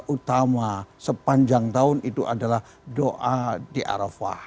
utama sepanjang tahun itu adalah doa di arafah